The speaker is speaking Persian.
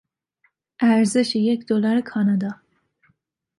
ارزش یک دلار کانادا